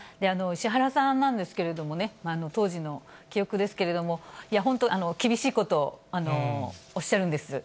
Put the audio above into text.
石原さんなんですけれどもね、当時の記憶ですけれども、本当厳しいことをおっしゃるんです。